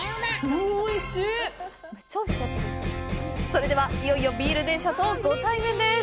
それでは、いよいよビール電車とご対面です！